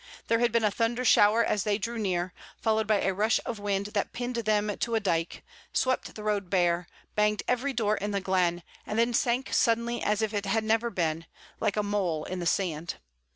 There had been a thunder shower as they drew near, followed by a rush of wind that pinned them to a dike, swept the road bare, banged every door in the glen, and then sank suddenly as if it had never been, like a mole in the sand.